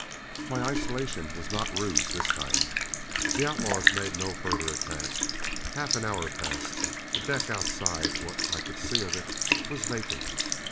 My isolation was not ruse this time. The outlaws made no further attack. Half an hour passed. The deck outside, what I could see of it, was vacant.